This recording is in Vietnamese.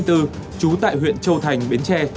trú tại huyện châu thành bến tre